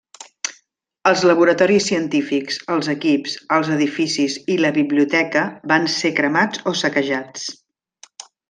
Els laboratoris científics, els equips, els edificis i la biblioteca van ser cremats o saquejats.